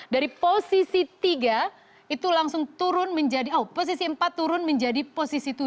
dari posisi tiga itu langsung turun menjadi oh posisi empat turun menjadi posisi tujuh